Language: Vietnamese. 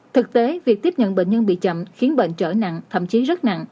thực tế việc tiếp nhận bệnh nhân bị chậm khiến bệnh trở nặng thậm chí rất nặng